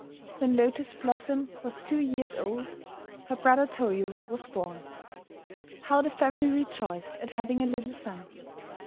"] When Lotus Blossom was two years old her brother Toyo was born. How the family rejoiced at having a little son!